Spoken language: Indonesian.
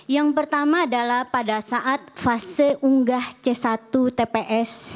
yang pertama adalah pada saat fase unggah c satu tps